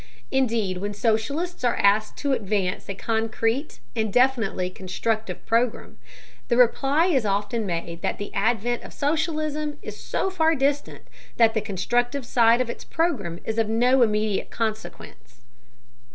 Indeed, when socialists are asked to advance a concrete and definitely constructive program, the reply is often made that the advent of socialism is so far distant that the constructive side of its program is of no immediate consequence.